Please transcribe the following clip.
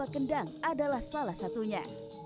kendang adalah salah satunya